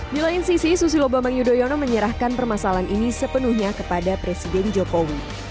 di lain sisi susilo bambang yudhoyono menyerahkan permasalahan ini sepenuhnya kepada presiden jokowi